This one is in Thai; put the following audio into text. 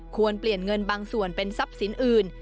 ควรเปลี่ยนเงินบางส่วนเป็นทรัพย์สินอื่น